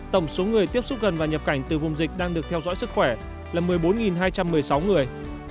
tổng số người tiếp xúc gần và nhập cảnh từ vùng dịch đang được theo dõi sức khỏe là một mươi bốn hai trăm một mươi sáu người